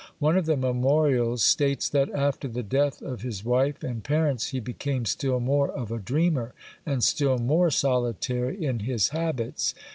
One of the memorials states that after the death of his wife and parents he became still more of a dreamer and still more solitary in his habits.